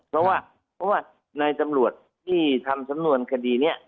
เพราะว่าในจำรวจที่ทำสำนวนคดีเนี่ย